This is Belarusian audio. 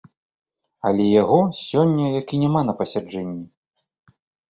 Але яго сёння як і няма на пасяджэнні.